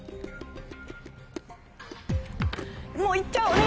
もう行っちゃおう！